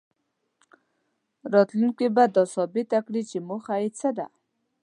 راتلونکې به دا ثابته کړي چې موخه یې څه ده.